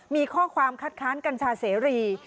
มีข้อความคัดค้านกัญชาเสรี